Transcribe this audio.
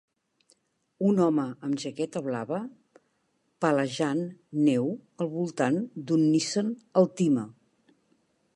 Un home amb jaqueta blava palejant neu al voltant d'un Nissan Altima.